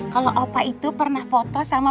kalau opa itu pernah foto sama